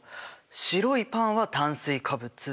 白いパンは炭水化物。